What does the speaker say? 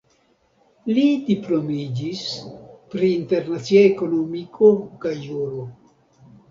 Li diplomiĝis pri internacia ekonomiko kaj juro.